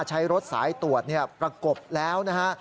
ใช้รถสายตรวจประกบแล้วนะฮะ